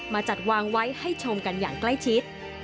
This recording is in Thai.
จัดวางไว้ให้ชมกันอย่างใกล้ชิด